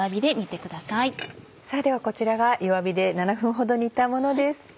さぁではこちらが弱火で７分ほど煮たものです。